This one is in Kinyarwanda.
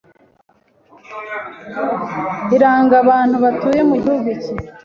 iranga abantu batuye mu gihugu iki